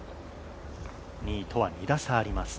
２位とは２打差あります。